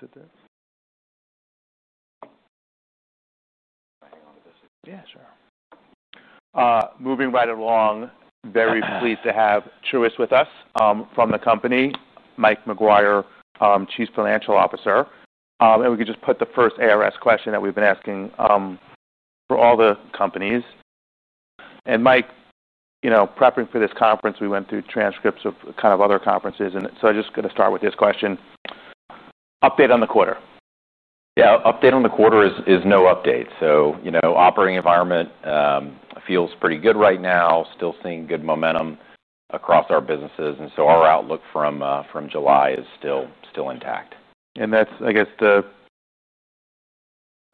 Do you want to sit there? Hang on. Yeah, sure. Moving right along. Very pleased to have Truist with us, from the company, Mike Maguire, Chief Financial Officer. We could just put the first ARS question that we've been asking for all the companies. Mike, you know, prepping for this conference, we went through transcripts of kind of other conferences. I'm just going to start with this question. Update on the quarter. Yeah, update on the quarter is no update. You know, operating environment feels pretty good right now. Still seeing good momentum across our businesses, and our outlook from July is still intact. I guess that's the...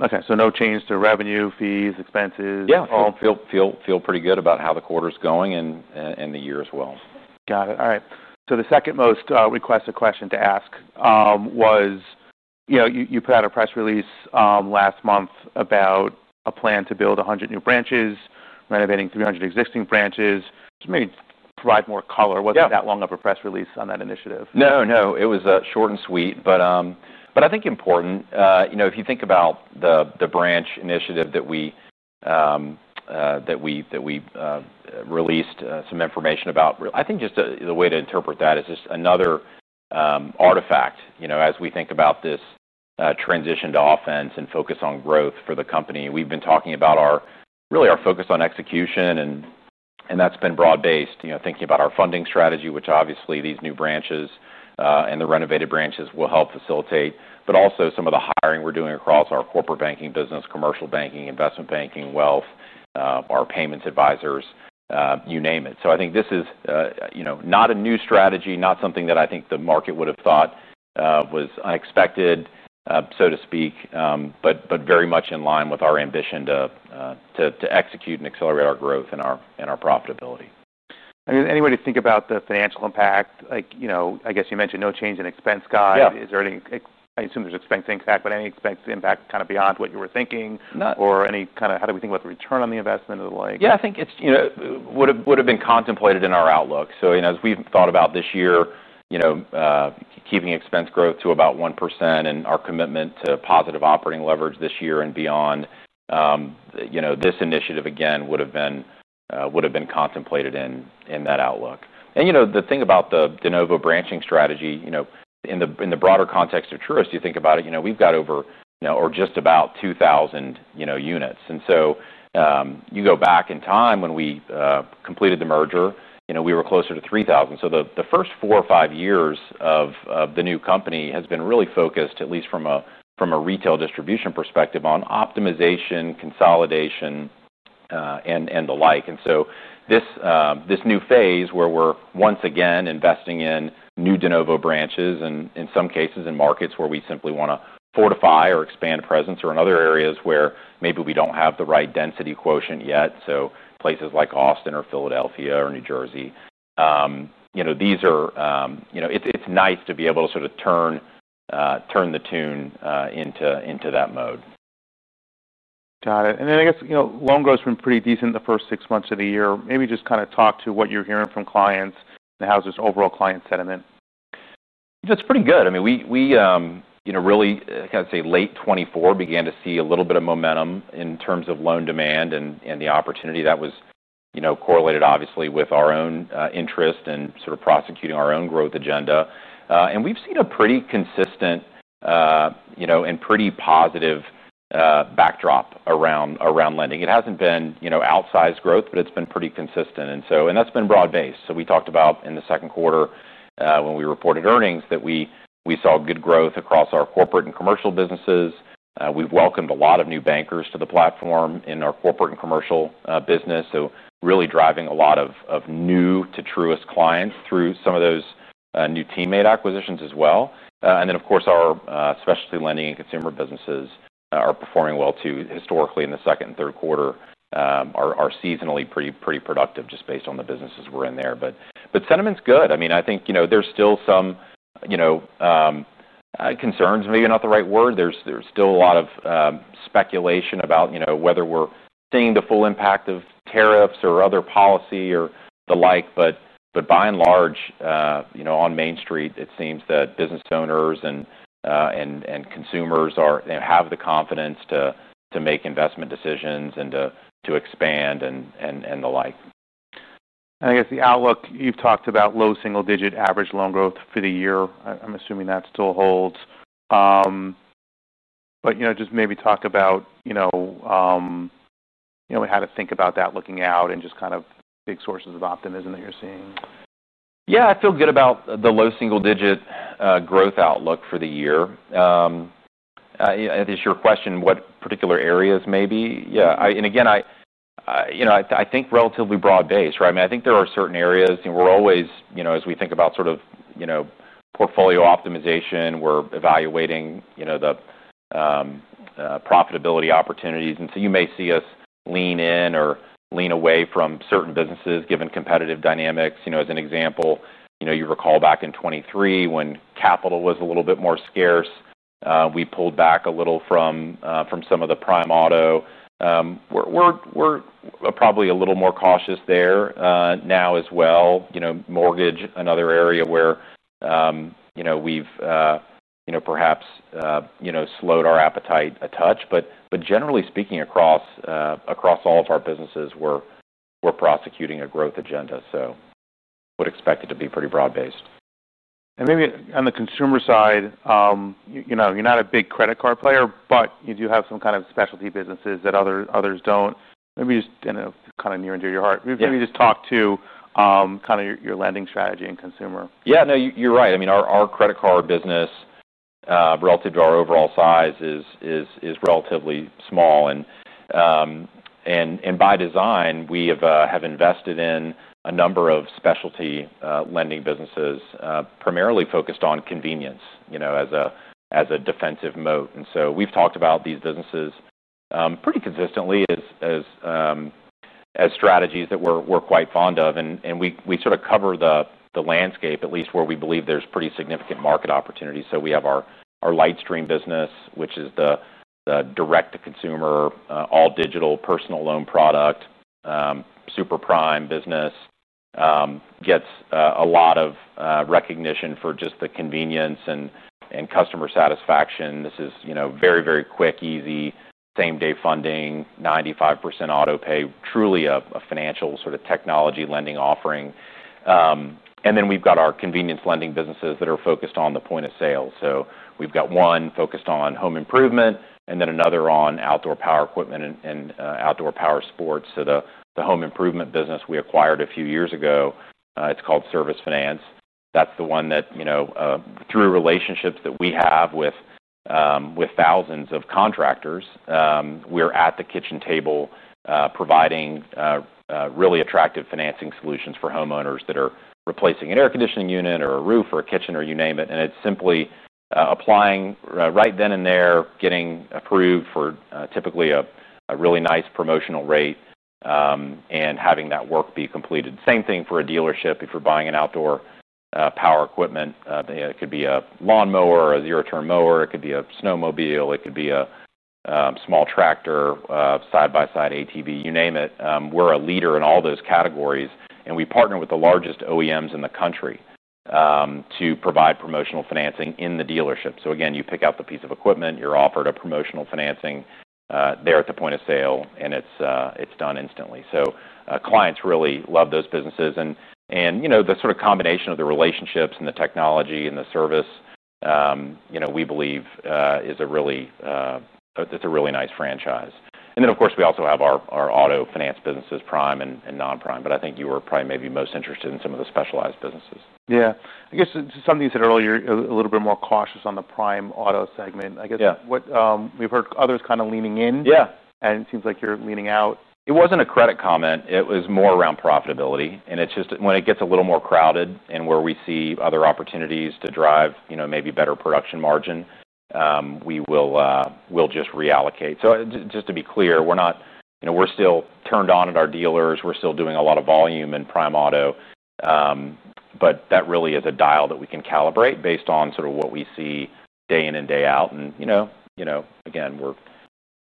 okay, so no change to revenue, fees, expenses. Yeah, feel pretty good about how the quarter's going and the year as well. Got it. All right. The second most requested question to ask was, you know, you put out a press release last month about a plan to build 100 new branches, renovating 300 existing branches. Just maybe provide more color. Wasn't that long of a press release on that initiative? No, it was short and sweet, but I think important. If you think about the branch initiative that we released some information about, I think just the way to interpret that is just another artifact as we think about this transition to offense and focus on growth for the company. We've been talking about our focus on execution, and that's been broad-based, thinking about our funding strategy, which obviously these new branches and the renovated branches will help facilitate, but also some of the hiring we're doing across our corporate banking business, commercial banking, investment banking, wealth, our payments advisors, you name it. I think this is not a new strategy, not something that I think the market would have thought was unexpected, so to speak, but very much in line with our ambition to execute and accelerate our growth and our profitability. Does anybody think about the financial impact? You mentioned no change in expense guide. Is there any, I assume there's expense impact, but any expense impact beyond what you were thinking? How do we think about the return on the investment or the like? Yeah, I think it would have been contemplated in our outlook. As we've thought about this year, keeping expense growth to about 1% and our commitment to positive operating leverage this year and beyond, this initiative again would have been contemplated in that outlook. The thing about the DeNovo branching strategy in the broader context of Truist, you think about it, we've got over, or just about, 2,000 units. If you go back in time when we completed the merger, we were closer to 3,000. The first four or five years of the new company have been really focused, at least from a retail distribution perspective, on optimization, consolidation, and the like. This new phase, where we're once again investing in new DeNovo branches, is in some cases in markets where we simply want to fortify or expand presence, or in other areas where maybe we don't have the right density quotient yet. Places like Austin, Philadelphia, or New Jersey, it's nice to be able to sort of turn the tune into that mode. Got it. I guess, you know, loan growth was pretty decent the first six months of the year. Maybe just kind of talk to what you're hearing from clients and how's this overall client sentiment? It's pretty good. I mean, we really, I kind of say late 2024 began to see a little bit of momentum in terms of loan demand and the opportunity that was correlated obviously with our own interest and sort of prosecuting our own growth agenda. We've seen a pretty consistent and pretty positive backdrop around lending. It hasn't been outsized growth, but it's been pretty consistent, and that's been broad-based. We talked about in the second quarter, when we reported earnings, that we saw good growth across our corporate and commercial businesses. We've welcomed a lot of new bankers to the platform in our corporate and commercial business, really driving a lot of new to Truist clients through some of those new teammate acquisitions as well. Of course, our specialty lending and consumer businesses are performing well too. Historically, in the second and third quarter, they are seasonally pretty productive just based on the businesses we're in there. Sentiment's good. I think there's still some, maybe not the right word, there's still a lot of speculation about whether we're seeing the full impact of tariffs or other policy or the like. By and large, on Main Street, it seems that business owners and consumers have the confidence to make investment decisions and to expand and the like. I guess the outlook, you've talked about low single digit average loan growth for the year. I'm assuming that still holds. Maybe talk about how to think about that looking out and just kind of big sources of optimism that you're seeing. Yeah, I feel good about the low single-digit growth outlook for the year. I think to your question, what particular areas maybe? I think relatively broad-based, right? I mean, I think there are certain areas, we're always, as we think about sort of portfolio optimization, we're evaluating the profitability opportunities. You may see us lean in or lean away from certain businesses given competitive dynamics, as an example. You recall back in 2023 when capital was a little bit more scarce, we pulled back a little from some of the prime auto. We're probably a little more cautious there now as well. Mortgage, another area where we've perhaps slowed our appetite a touch. Generally speaking, across all of our businesses, we're prosecuting a growth agenda. I would expect it to be pretty broad-based. On the consumer side, you're not a big credit card player, but you do have some specialty businesses that others don't. Maybe just talk to your lending strategy and consumer. Yeah, no, you're right. I mean, our credit card business, relative to our overall size, is relatively small, and by design, we have invested in a number of specialty lending businesses, primarily focused on convenience, you know, as a defensive moat. We've talked about these businesses pretty consistently as strategies that we're quite fond of, and we sort of cover the landscape, at least where we believe there's pretty significant market opportunities. We have our LightStream business, which is the direct-to-consumer, all-digital personal loan product, super prime business, gets a lot of recognition for just the convenience and customer satisfaction. This is very, very quick, easy, same-day funding, 95% auto-pay, truly a financial sort of technology lending offering. We've got our convenience lending businesses that are focused on the point-of-sale. We've got one focused on home improvement and then another on outdoor power equipment and outdoor power sports. The home improvement business we acquired a few years ago is called Service Finance. That's the one that, through relationships that we have with thousands of contractors, we're at the kitchen table, providing really attractive financing solutions for homeowners that are replacing an air conditioning unit or a roof or a kitchen or you name it. It's simply applying right then and there, getting approved for typically a really nice promotional rate, and having that work be completed. Same thing for a dealership if you're buying outdoor power equipment. It could be a lawn mower or a zero-turn mower. It could be a snowmobile. It could be a small tractor, side-by-side ATV, you name it. We're a leader in all those categories, and we partner with the largest OEMs in the country to provide promotional financing in the dealership. You pick out the piece of equipment, you're offered promotional financing there at the point-of-sale, and it's done instantly. Clients really love those businesses, and the sort of combination of the relationships and the technology and the service, we believe, is a really nice franchise. Of course, we also have our auto finance businesses, prime and non-prime. I think you were probably maybe most interested in some of the specialized businesses. Yeah, I guess something you said earlier, a little bit more cautious on the prime auto segment. I guess we've heard others kind of leaning in. Yeah. It seems like you're leaning out. It wasn't a credit comment. It was more around profitability. It's just when it gets a little more crowded and where we see other opportunities to drive, you know, maybe better production margin, we'll just reallocate. Just to be clear, we're not, you know, we're still turned on at our dealers. We're still doing a lot of volume in prime auto. That really is a dial that we can calibrate based on sort of what we see day in and day out. Again,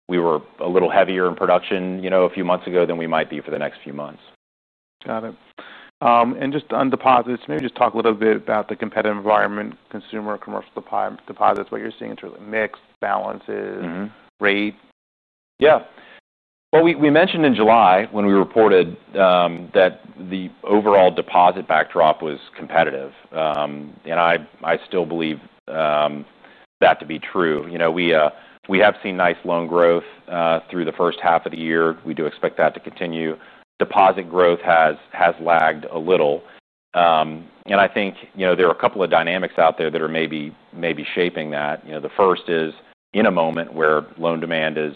we were a little heavier in production a few months ago than we might be for the next few months. Got it. And just on deposits, maybe just talk a little bit about the competitive environment, consumer, commercial deposits, what you're seeing in terms of mixed balances, rates. Yeah. We mentioned in July when we reported that the overall deposit backdrop was competitive, and I still believe that to be true. You know, we have seen nice loan growth through the first half of the year. We do expect that to continue. Deposit growth has lagged a little, and I think there are a couple of dynamics out there that are maybe shaping that. The first is in a moment where loan demand is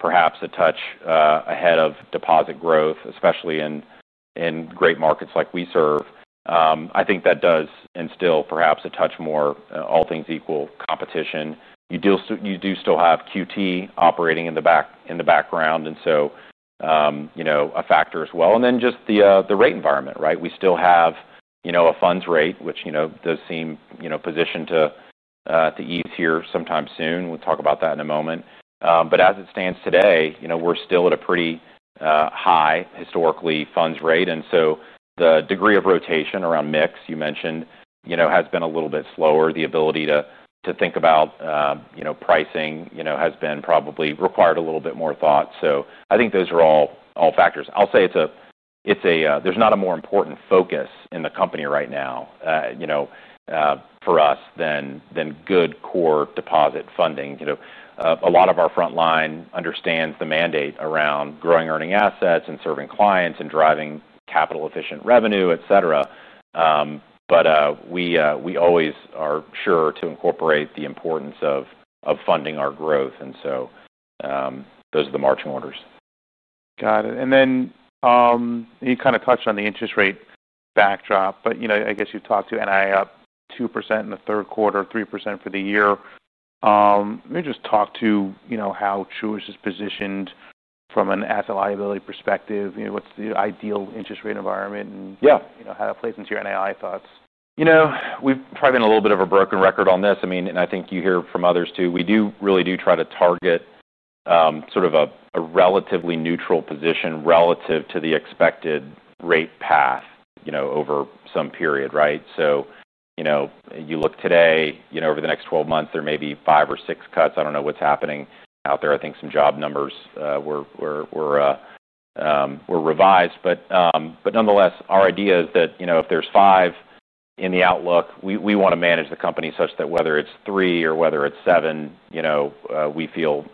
perhaps a touch ahead of deposit growth, especially in great markets like we serve. I think that does instill perhaps a touch more, all things equal, competition. You do still have QT operating in the background, and so that is a factor as well. Then just the rate environment, right? We still have a funds rate which does seem positioned to ease here sometime soon. We'll talk about that in a moment, but as it stands today, we're still at a pretty high, historically, funds rate. The degree of rotation around mix you mentioned has been a little bit slower. The ability to think about pricing has probably required a little bit more thought. I think those are all factors. I'll say there's not a more important focus in the company right now for us than good core deposit funding. A lot of our front line understands the mandate around growing earning assets and serving clients and driving capital efficient revenue, et cetera, but we always are sure to incorporate the importance of funding our growth. Those are the marching orders. Got it. You kind of touched on the interest rate backdrop, but I guess you've talked to NII up 2% in the third quarter, 3% for the year. Maybe just talk to how Truist is positioned from an asset-liability perspective. What's the ideal interest rate environment, and how that plays into your NII thoughts. We've probably been a little bit of a broken record on this. I think you hear from others too. We do really try to target a relatively neutral position relative to the expected rate path over some period, right? You look today, over the next 12 months, there may be five or six cuts. I don't know what's happening out there. I think some job numbers were revised. Nonetheless, our idea is that if there's five in the outlook, we want to manage the company such that whether it's three or whether it's seven, we feel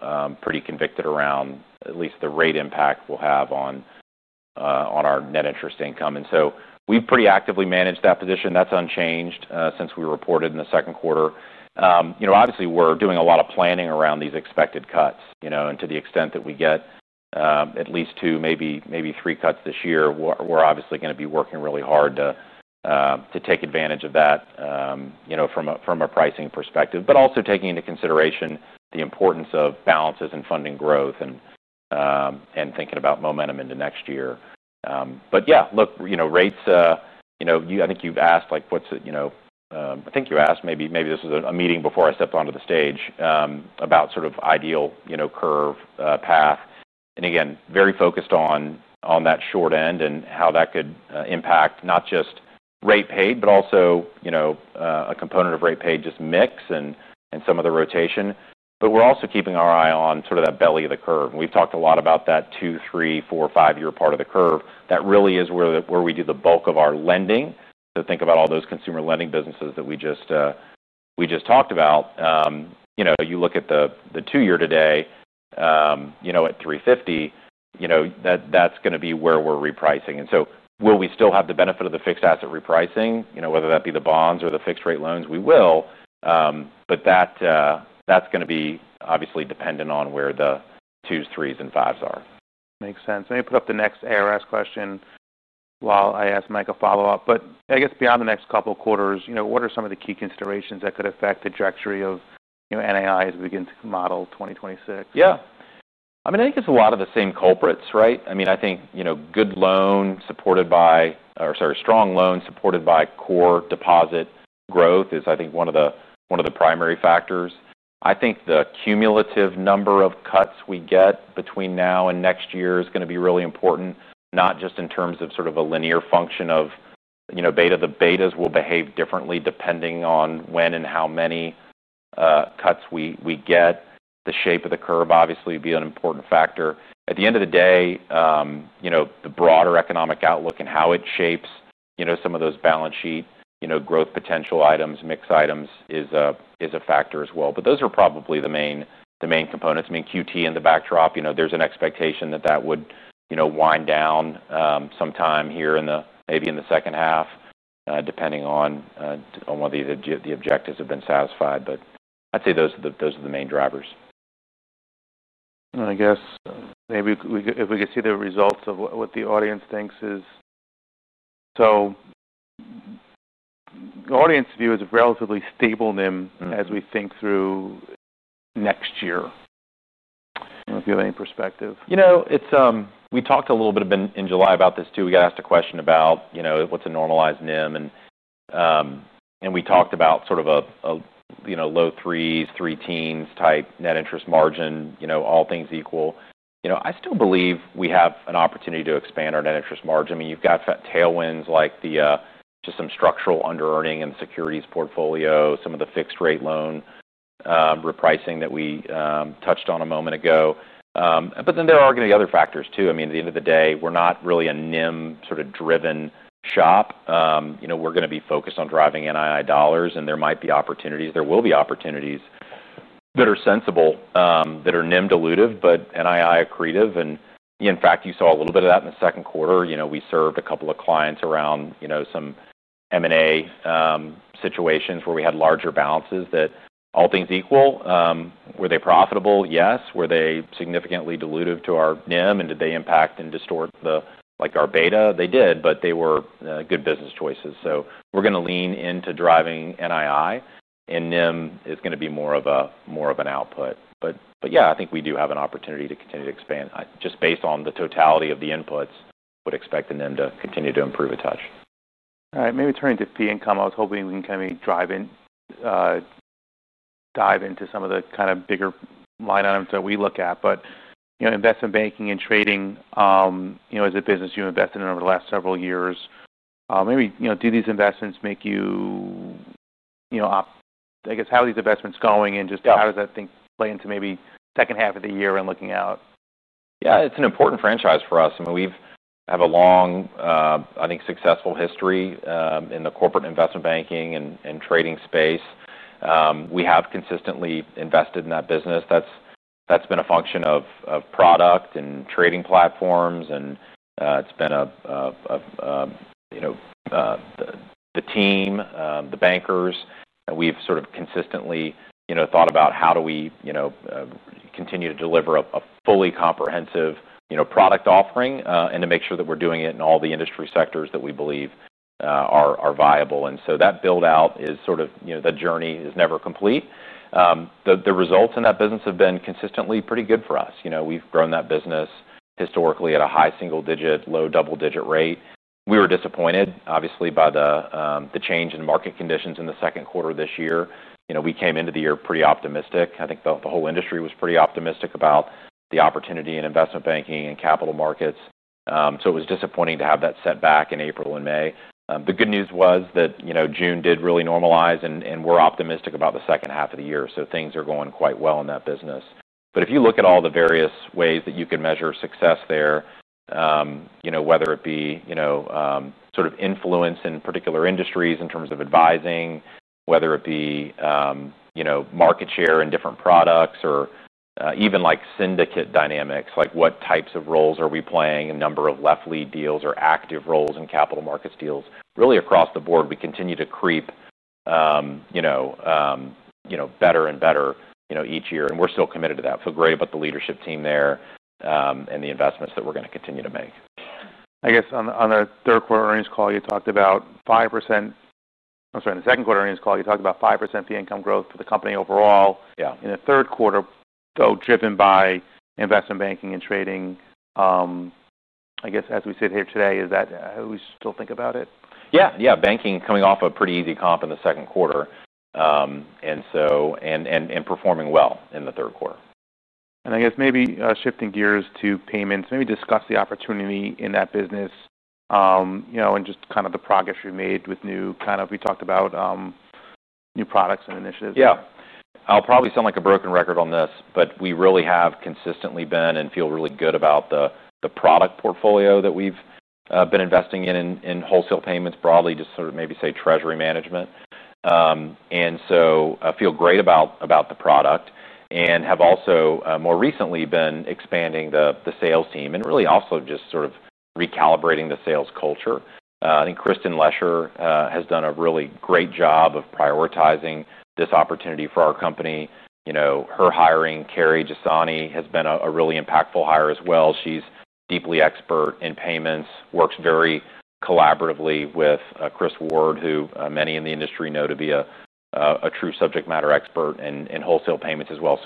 pretty convicted around at least the rate impact we'll have on our net interest income. We've pretty actively managed that position. That's unchanged since we reported in the second quarter. Obviously, we're doing a lot of planning around these expected cuts, and to the extent that we get at least two, maybe three cuts this year, we're obviously going to be working really hard to take advantage of that from a pricing perspective, but also taking into consideration the importance of balances and funding growth and thinking about momentum into next year. Yeah, look, rates, I think you've asked like, what's it, I think you asked maybe this was a meeting before I stepped onto the stage, about sort of ideal curve path. Again, very focused on that short end and how that could impact not just rate paid, but also a component of rate paid, just mix and some of the rotation. We're also keeping our eye on that belly of the curve. We've talked a lot about that two, three, four, five-year part of the curve. That really is where we do the bulk of our lending. Think about all those consumer lending businesses that we just talked about. You look at the two-year today at $3.50, that's going to be where we're repricing. We will still have the benefit of the fixed asset repricing, whether that be the bonds or the fixed rate loans. That's going to be obviously dependent on where the twos, threes, and fives are. Makes sense. Let me put up the next ARS question while I ask Mike a follow-up. I guess beyond the next couple of quarters, what are some of the key considerations that could affect the trajectory of NII as we begin to model 2026? Yeah, I mean, I think it's a lot of the same culprits, right? I mean, I think, you know, strong loan supported by core deposit growth is, I think, one of the primary factors. I think the cumulative number of cuts we get between now and next year is going to be really important, not just in terms of sort of a linear function of, you know, beta. The betas will behave differently depending on when and how many cuts we get. The shape of the curve obviously would be an important factor. At the end of the day, you know, the broader economic outlook and how it shapes, you know, some of those balance sheet growth potential items, mixed items is a factor as well. Those are probably the main components. QT in the backdrop, you know, there's an expectation that that would wind down sometime here in maybe the second half, depending on whether the objectives have been satisfied. I'd say those are the main drivers. I guess maybe if we could see the results of what the audience thinks is, the audience view is relatively stable NIM as we think through next year. I don't know if you have any perspective. We talked a little bit in July about this too. We got asked a question about what's a normalized NIM, and we talked about sort of a low 3s percent, three teens type net interest margin, all things equal. I still believe we have an opportunity to expand our net interest margin. You've got tailwinds like just some structural under earning in the securities portfolio, some of the fixed rate loan repricing that we touched on a moment ago, but then there are going to be other factors too. At the end of the day, we're not really a NIM sort of driven shop. We're going to be focused on driving NII dollars, and there might be opportunities. There will be opportunities that are sensible, that are NIM dilutive but NII accretive. In fact, you saw a little bit of that in the second quarter. We served a couple of clients around some M&A situations where we had larger balances that, all things equal, were they profitable? Yes. Were they significantly dilutive to our NIM? And did they impact and distort our beta? They did, but they were good business choices. We're going to lean into driving NII, and NIM is going to be more of an output. I think we do have an opportunity to continue to expand just based on the totality of the inputs, but expecting them to continue to improve a touch. All right. Maybe turning to P income, I was hoping we can kind of dive into some of the bigger line items that we look at. You know, investment banking and trading, as a business you invested in over the last several years, maybe, do these investments make you, I guess how are these investments going and just how does that thing play into maybe second half of the year and looking out? Yeah, it's an important franchise for us. I mean, we have a long, I think successful history in the corporate investment banking and trading space. We have consistently invested in that business. That's been a function of product and trading platforms. It's been the team, the bankers, and we've sort of consistently thought about how do we continue to deliver a fully comprehensive product offering, and to make sure that we're doing it in all the industry sectors that we believe are viable. That build-out is sort of, you know, the journey is never complete. The results in that business have been consistently pretty good for us. We've grown that business historically at a high single digit, low double digit rate. We were disappointed, obviously, by the change in market conditions in the second quarter of this year. We came into the year pretty optimistic. I think the whole industry was pretty optimistic about the opportunity in investment banking and capital markets. It was disappointing to have that setback in April and May. The good news was that June did really normalize and we're optimistic about the second half of the year. Things are going quite well in that business. If you look at all the various ways that you can measure success there, whether it be influence in particular industries in terms of advising, whether it be market share in different products, or even like syndicate dynamics, like what types of roles are we playing in the number of left lead deals or active roles in capital markets deals really across the board, we continue to creep better and better each year. We're still committed to that. I feel great about the leadership team there, and the investments that we're going to continue to make. I guess on the third quarter earnings call, you talked about 5%. I'm sorry, in the second quarter earnings call, you talked about 5% P income growth for the company overall. Yeah. In the third quarter, though, driven by investment banking and trading, as we sit here today, is that how you still think about it? Yeah, banking coming off a pretty easy comp in the second quarter and performing well in the third quarter. Shifting gears to payments, maybe discuss the opportunity in that business and just kind of the progress we've made with new, kind of, we talked about, new products and initiatives. Yeah, I'll probably sound like a broken record on this, but we really have consistently been and feel really good about the product portfolio that we've been investing in, in wholesale payments broadly, just sort of maybe say treasury management. I feel great about the product and have also more recently been expanding the sales team and really also just sort of recalibrating the sales culture. I think Kristin Lesher has done a really great job of prioritizing this opportunity for our company. You know, her hiring Kerry Jessani has been a really impactful hire as well. She's deeply expert in payments, works very collaboratively with Chris Ward, who many in the industry know to be a true subject matter expert in wholesale payments as well.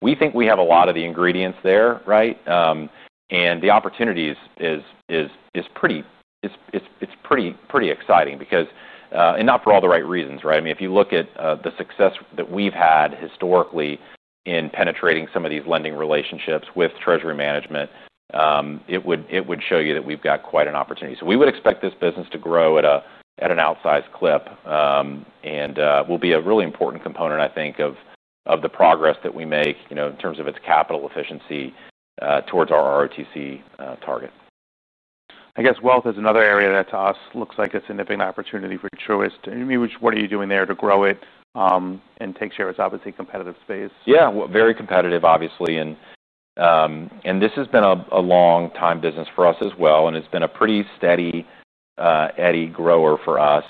We think we have a lot of the ingredients there, right? The opportunity is pretty exciting, and not for all the right reasons, right? I mean, if you look at the success that we've had historically in penetrating some of these lending relationships with treasury management, it would show you that we've got quite an opportunity. We would expect this business to grow at an outsized clip and will be a really important component, I think, of the progress that we make in terms of its capital efficiency, towards our ROTCE target. I guess wealth is another area that to us looks like it's a nipping opportunity for Truist. I mean, what are you doing there to grow it and take share? It's obviously a competitive space. Yeah, very competitive, obviously. This has been a long time business for us as well, and it's been a pretty steady, eddy grower for us.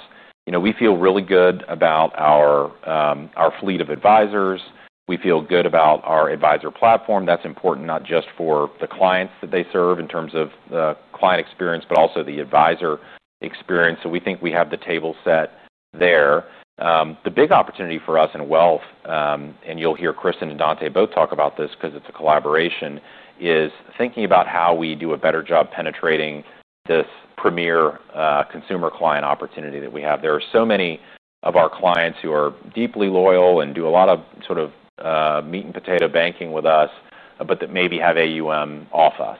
You know, we feel really good about our fleet of advisors. We feel good about our advisor platform. That's important, not just for the clients that they serve in terms of the client experience, but also the advisor experience. We think we have the table set there. The big opportunity for us in wealth, and you'll hear Kristin and Dontá both talk about this because it's a collaboration, is thinking about how we do a better job penetrating this premier, consumer client opportunity that we have. There are so many of our clients who are deeply loyal and do a lot of sort of meat and potato banking with us, but that maybe have AUM off us.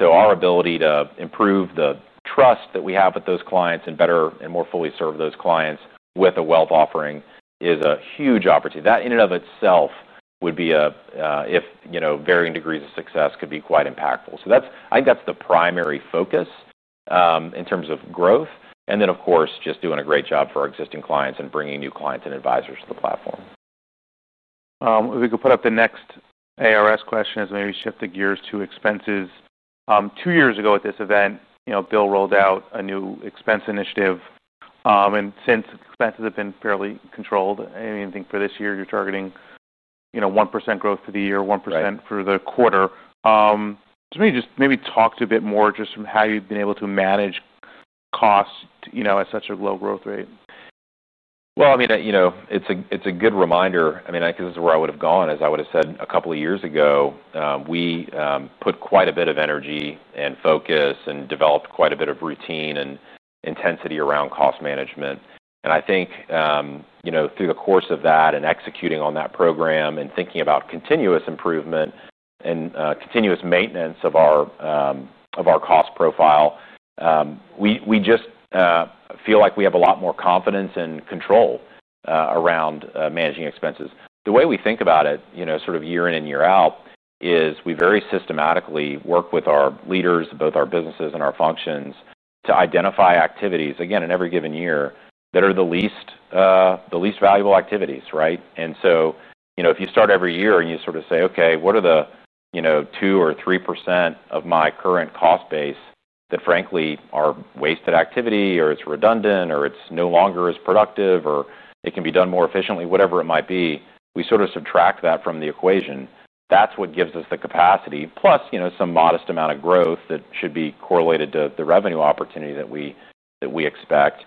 Our ability to improve the trust that we have with those clients and better and more fully serve those clients with a wealth offering is a huge opportunity. That in and of itself would be, if, you know, varying degrees of success could be quite impactful. I think that's the primary focus in terms of growth. Of course, just doing a great job for our existing clients and bringing new clients and advisors to the platform. If we could put up the next ARS question, maybe shift the gears to expenses. Two years ago at this event, you know, Bill rolled out a new expense initiative. Since expenses have been fairly controlled, I mean, I think for this year you're targeting 1% growth for the year, 1% for the quarter. Maybe talk a bit more just from how you've been able to manage costs at such a low growth rate. It's a good reminder. I guess this is where I would have gone is I would have said a couple of years ago, we put quite a bit of energy and focus and developed quite a bit of routine and intensity around cost management. I think through the course of that and executing on that program and thinking about continuous improvement and continuous maintenance of our cost profile, we just feel like we have a lot more confidence and control around managing expenses. The way we think about it, sort of year in and year out, is we very systematically work with our leaders, both our businesses and our functions, to identify activities again in every given year that are the least valuable activities, right? If you start every year and you sort of say, okay, what are the 2% or 3% of my current cost base that frankly are wasted activity or it's redundant or it's no longer as productive or it can be done more efficiently, whatever it might be, we sort of subtract that from the equation. That's what gives us the capacity. Plus, some modest amount of growth that should be correlated to the revenue opportunity that we expect,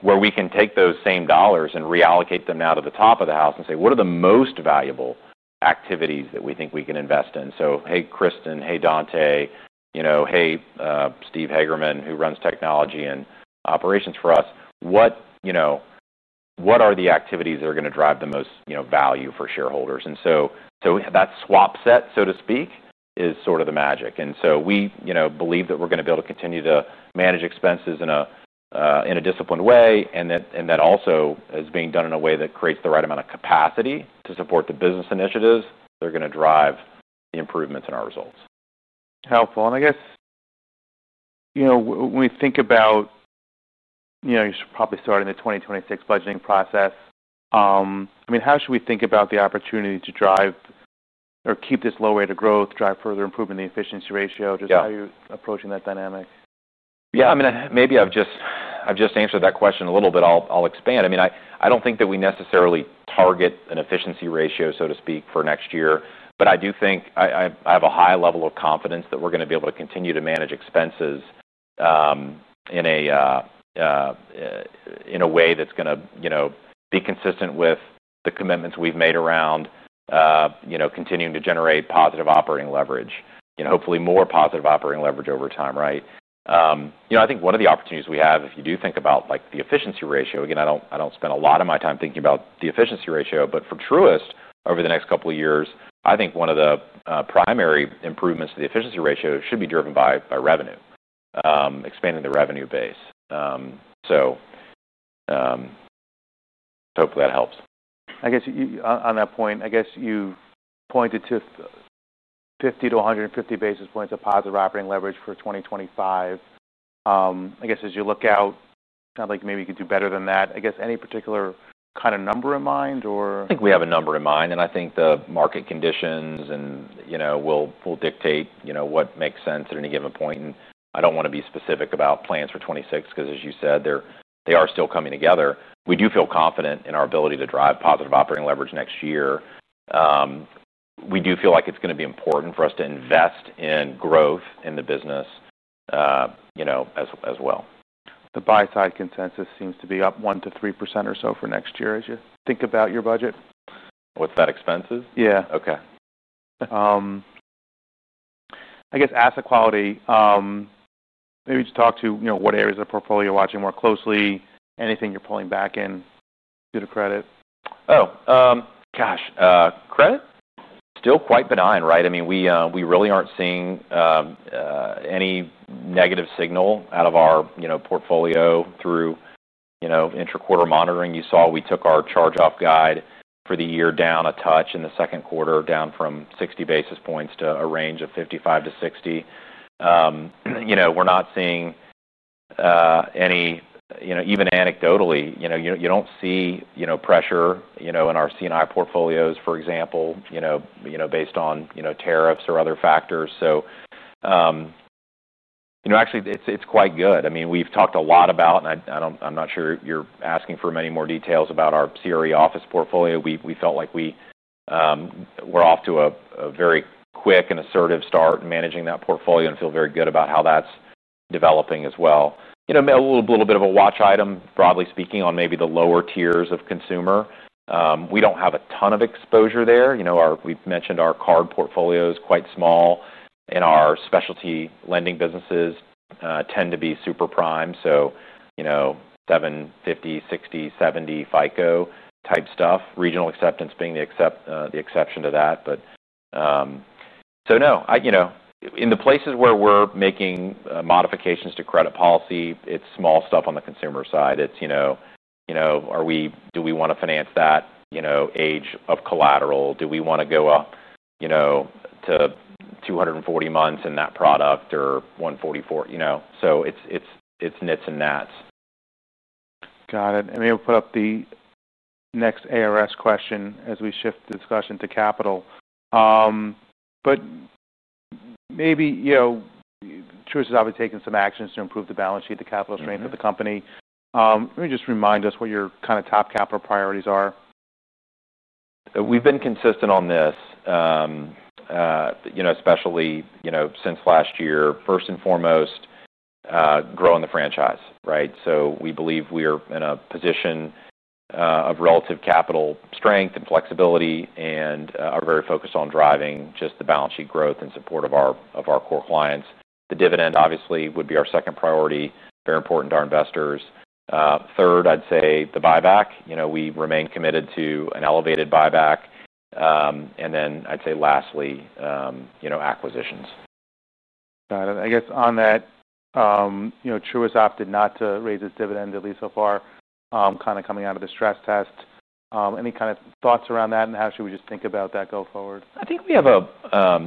where we can take those same dollars and reallocate them now to the top of the house and say, what are the most valuable activities that we think we can invest in? Hey, Kristin, hey, Dontá, hey, Steve Hageman, who runs technology and operations for us, what are the activities that are going to drive the most value for shareholders? That swap set, so to speak, is sort of the magic. We believe that we're going to be able to continue to manage expenses in a disciplined way. That also is being done in a way that creates the right amount of capacity to support the business initiatives that are going to drive the improvements in our results. Helpful. I guess, you know, when we think about, you know, you're probably starting the 2026 budgeting process. I mean, how should we think about the opportunity to drive or keep this low rate of growth, drive further improvement in the efficiency ratio? Just how are you approaching that dynamic? Maybe I've just answered that question a little bit. I'll expand. I don't think that we necessarily target an efficiency ratio, so to speak, for next year, but I do think I have a high level of confidence that we're going to be able to continue to manage expenses in a way that's going to be consistent with the commitments we've made around continuing to generate positive operating leverage, hopefully more positive operating leverage over time, right? I think one of the opportunities we have, if you do think about the efficiency ratio, again, I don't spend a lot of my time thinking about the efficiency ratio, but for Truist over the next couple of years, I think one of the primary improvements to the efficiency ratio should be driven by revenue, expanding the revenue base. Hopefully that helps. On that point, you pointed to 50-150 basis points of positive operating leverage for 2025. As you look out, maybe you could do better than that. Any particular kind of number in mind? I think we have a number in mind, and I think the market conditions will dictate what makes sense at any given point. I don't want to be specific about plans for 2026 because, as you said, they are still coming together. We do feel confident in our ability to drive positive operating leverage next year. We do feel like it's going to be important for us to invest in growth in the business as well. The buy-side consensus seems to be up 1%-3% or so for next year as you think about your budget. With that, expenses? Yeah. Okay. I guess asset quality, maybe just talk to what areas of the portfolio you're watching more closely, anything you're pulling back in due to credit. Oh, gosh, credit? Still quite benign, right? I mean, we really aren't seeing any negative signal out of our portfolio through intra-quarter monitoring. You saw we took our charge-off guide for the year down a touch in the second quarter, down from 60 basis points to a range of 55-60 basis points. We're not seeing any, even anecdotally, you don't see pressure in our C&I portfolios, for example, based on tariffs or other factors. Actually, it's quite good. I mean, we've talked a lot about, and I'm not sure you're asking for many more details about our commercial real estate office portfolio. We felt like we were off to a very quick and assertive start in managing that portfolio and feel very good about how that's developing as well. A little bit of a watch item, broadly speaking, on maybe the lower tiers of consumer. We don't have a ton of exposure there. We mentioned our card portfolio is quite small and our specialty lending businesses tend to be super prime. So, 750, 760, 770 FICO type stuff, regional acceptance being the exception to that. In the places where we're making modifications to credit policy, it's small stuff on the consumer side. It's, do we want to finance that age of collateral? Do we want to go up to 240 months in that product or 144? It's nits and nats. Got it. We'll put up the next ARS question as we shift the discussion to capital. Choices obviously have taken some actions to improve the balance sheet, the capital strength of the company. Maybe just remind us what your kind of top capital priorities are. We've been consistent on this, especially since last year. First and foremost, growing the franchise, right? We believe we are in a position of relative capital strength and flexibility and are very focused on driving just the balance sheet growth and support of our core clients. The dividend obviously would be our second priority, very important to our investors. Third, I'd say the buyback, we remain committed to an elevated buyback. Lastly, acquisitions. Got it. I guess on that, you know, Truist opted not to raise its dividend at least so far, coming out of the stress test. Any kind of thoughts around that, and how should we just think about that going forward? I think we have a,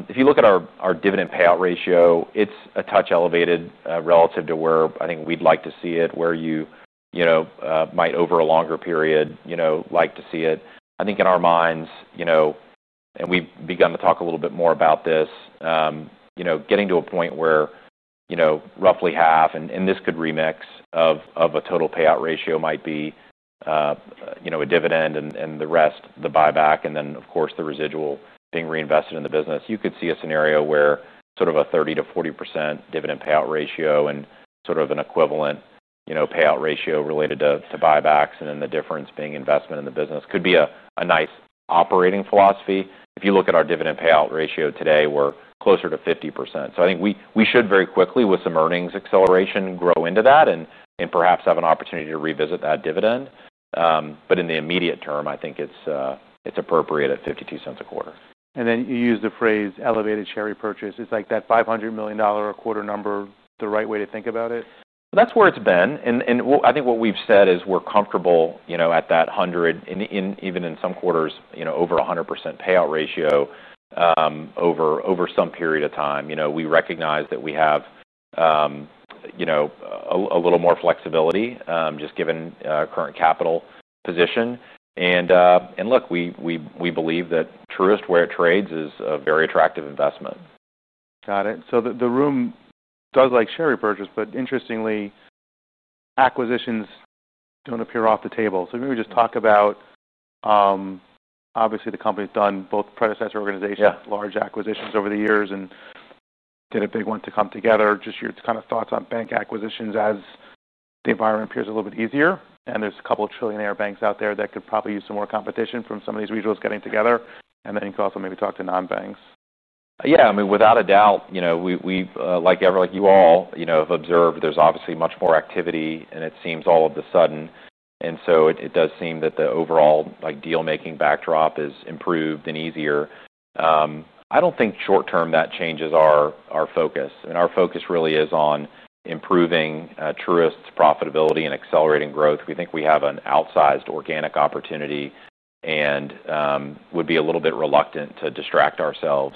if you look at our dividend payout ratio, it's a touch elevated, relative to where I think we'd like to see it, where you might over a longer period like to see it. I think in our minds, and we've begun to talk a little bit more about this, getting to a point where roughly half, and this could remix of a total payout ratio, might be a dividend and the rest, the buyback, and then of course the residual being reinvested in the business. You could see a scenario where sort of a 30%-40% dividend payout ratio and sort of an equivalent payout ratio related to buybacks and then the difference being investment in the business could be a nice operating philosophy. If you look at our dividend payout ratio today, we're closer to 50%. I think we should very quickly with some earnings acceleration grow into that and perhaps have an opportunity to revisit that dividend. In the immediate term, I think it's appropriate at $0.52 a quarter. You use the phrase elevated share repurchase. Is that $500 million a quarter number the right way to think about it? That's where it's been. I think what we've said is we're comfortable, you know, at that 100%, and even in some quarters, you know, over a 100% payout ratio, over some period of time. You know, we recognize that we have, you know, a little more flexibility, just given current capital position. Look, we believe that Truist, where it trades, is a very attractive investment. Got it. The room does like share repurchase, but interestingly, acquisitions don't appear off the table. Maybe just talk about, obviously the company's done both predecessor organizations, large acquisitions over the years, and did a big one to come together. Just your kind of thoughts on bank acquisitions as the environment appears a little bit easier. There are a couple of trillionaire banks out there that could probably use some more competition from some of these regionals getting together. You can also maybe talk to non-banks. Yeah, I mean, without a doubt, we, like you all, have observed there's obviously much more activity and it seems all of a sudden. It does seem that the overall deal-making backdrop is improved and easier. I don't think short-term that changes our focus. Our focus really is on improving Truist's profitability and accelerating growth. We think we have an outsized organic opportunity and would be a little bit reluctant to distract ourselves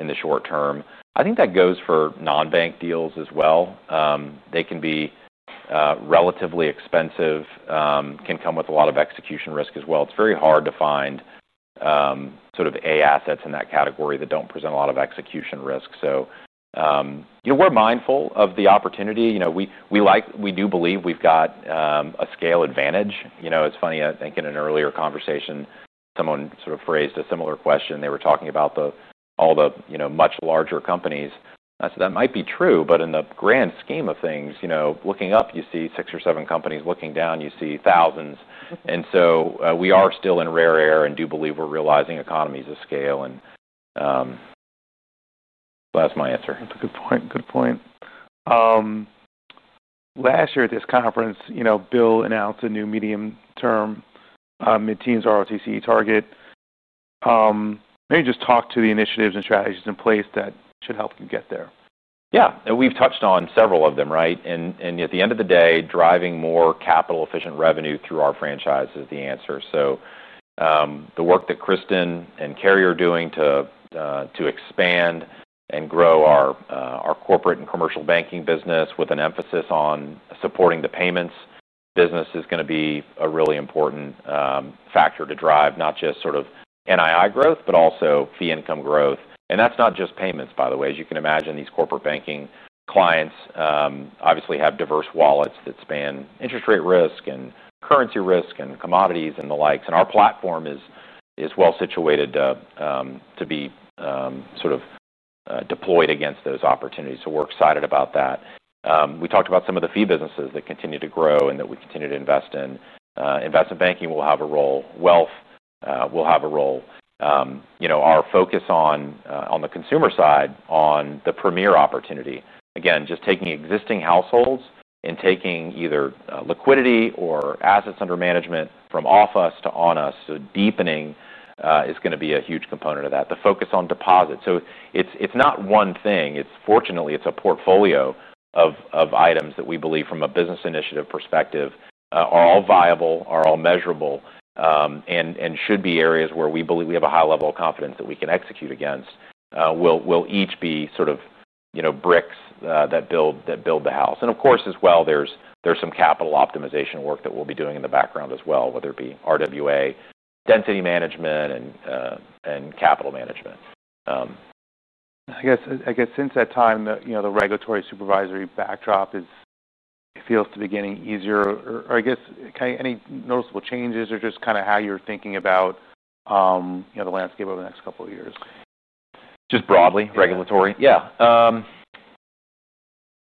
in the short term. I think that goes for non-bank deals as well. They can be relatively expensive and can come with a lot of execution risk as well. It's very hard to find sort of A assets in that category that don't present a lot of execution risk. We're mindful of the opportunity. We do believe we've got a scale advantage. It's funny, I think in an earlier conversation, someone sort of phrased a similar question. They were talking about all the much larger companies. I said that might be true, but in the grand scheme of things, looking up, you see six or seven companies. Looking down, you see thousands. We are still in rare air and do believe we're realizing economies of scale. That's my answer. That's a good point. Last year at this conference, you know, Bill announced a new medium term, mid-teens ROTCE target. Maybe just talk to the initiatives and strategies in place that should help you get there. Yeah, we've touched on several of them, right? At the end of the day, driving more capital-efficient revenue through our franchise is the answer. The work that Kristin and Kerry are doing to expand and grow our corporate and commercial banking business with an emphasis on supporting the payments business is going to be a really important factor to drive not just sort of NII growth, but also fee income growth. That's not just payments, by the way. As you can imagine, these corporate banking clients obviously have diverse wallets that span interest rate risk and currency risk and commodities and the likes. Our platform is well situated to be sort of deployed against those opportunities. We're excited about that. We talked about some of the fee businesses that continue to grow and that we continue to invest in. Investment banking will have a role. Wealth will have a role. Our focus on the consumer side on the premier opportunity, again, just taking existing households and taking either liquidity or assets under management from off us to on us. Deepening is going to be a huge component of that. The focus on deposit. It's not one thing. Fortunately, it's a portfolio of items that we believe from a business initiative perspective are all viable, are all measurable, and should be areas where we believe we have a high level of confidence that we can execute against, will each be sort of bricks that build the house. Of course, as well, there's some capital optimization work that we'll be doing in the background as well, whether it be RWA, density management, and capital management. Since that time, the regulatory supervisory backdrop feels to be getting easier. Are there any noticeable changes or just how you're thinking about the landscape over the next couple of years? Just broadly regulatory? Yeah.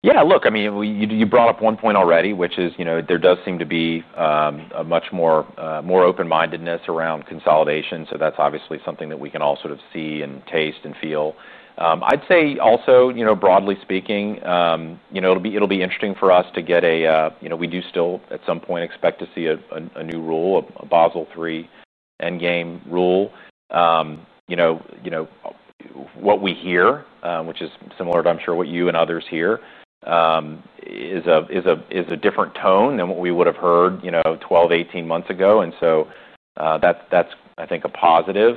Yeah, look, I mean, you brought up one point already, which is, you know, there does seem to be a much more open-mindedness around consolidation. That's obviously something that we can all sort of see and taste and feel. I'd say also, broadly speaking, it'll be interesting for us to get a, you know, we do still at some point expect to see a new rule, a Basel III endgame rule. What we hear, which is similar to, I'm sure, what you and others hear, is a different tone than what we would have heard 12, 18 months ago. That's, I think, a positive.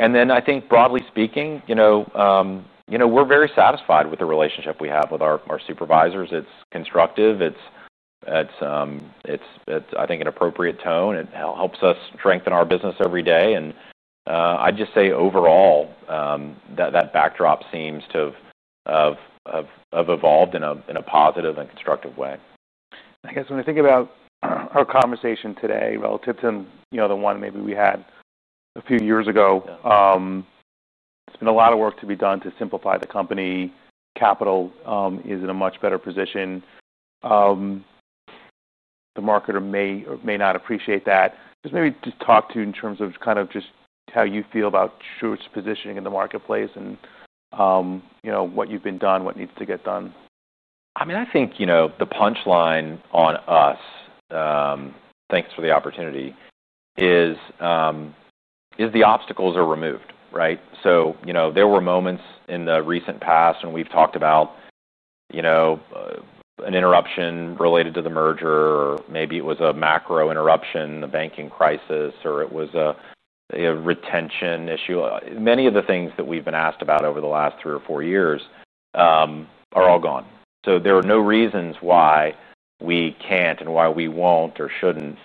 I think broadly speaking, we're very satisfied with the relationship we have with our supervisors. It's constructive. It's, I think, an appropriate tone. It helps us strengthen our business every day. I'd just say overall, that backdrop seems to have evolved in a positive and constructive way. I guess when we think about our conversation today relative to, you know, the one maybe we had a few years ago, and a lot of work to be done to simplify the company, capital is in a much better position. The market may or may not appreciate that. Just maybe talk to in terms of kind of just how you feel about Truist's positioning in the marketplace and, you know, what you've been done, what needs to get done. I mean, I think the punchline on us, thanks for the opportunity, is the obstacles are removed, right? There were moments in the recent past when we've talked about an interruption related to the merger, or maybe it was a macro interruption, the banking crisis, or it was a retention issue. Many of the things that we've been asked about over the last three or four years are all gone. There are no reasons why we can't and why we won't or shouldn't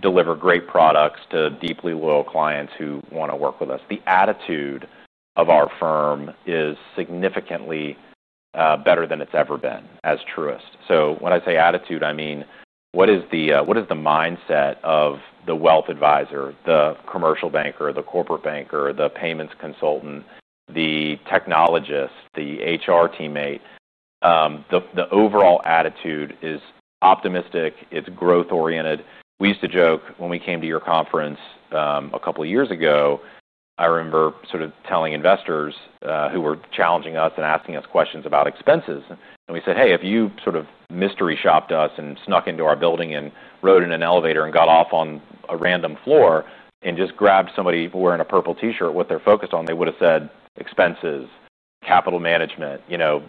deliver great products to deeply loyal clients who want to work with us. The attitude of our firm is significantly better than it's ever been as Truist. When I say attitude, I mean, what is the mindset of the wealth advisor, the commercial banker, the corporate banker, the payments consultant, the technologist, the HR teammate, the overall attitude is optimistic. It's growth-oriented. We used to joke when we came to your conference a couple of years ago, I remember sort of telling investors who were challenging us and asking us questions about expenses. We said, hey, if you sort of mystery shopped us and snuck into our building and rode in an elevator and got off on a random floor and just grabbed somebody wearing a purple t-shirt, what they're focused on, they would have said expenses, capital management,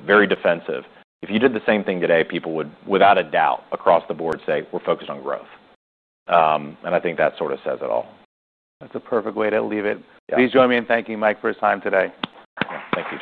very defensive. If you did the same thing today, people would, without a doubt, across the board say we're focused on growth. I think that sort of says it all. That's a perfect way to leave it. Please join me in thanking Mike for his time today. Thank you.